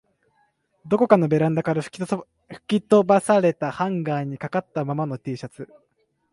どこかのベランダから吹き飛ばされたハンガーに掛かったままの Ｔ シャツ